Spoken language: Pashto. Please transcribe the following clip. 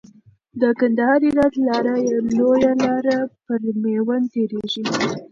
د کندهار هرات لاره لويه لار پر ميوند تيريږي .